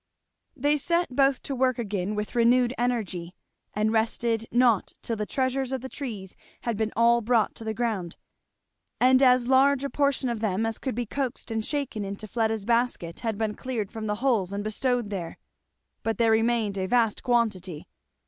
They set both to work again with renewed energy, and rested not till the treasures of the trees had been all brought to the ground, and as large a portion of them as could be coaxed and shaken into Fleda's basket had been cleared from the hulls and bestowed there. But there remained a vast quantity.